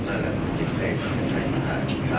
มานะสินะเจ๋วเองนะเอานี่ค่ะ